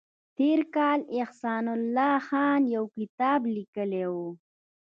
تېر کال احسان الله خان یو کتاب لیکلی و